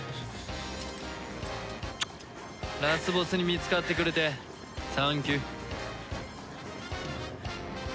ラスボスに見つかってくれてサンキュ！